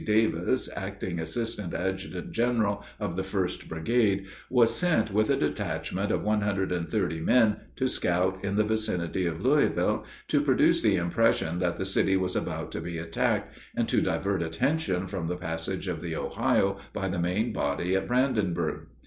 Davis, acting assistant adjutant general of the First Brigade, was sent with a detachment of one hundred and thirty men to scout in the vicinity of Louisville, to produce the impression that the city was about to be attacked, and to divert attention from the passage of the Ohio by the main body at Brandenburg.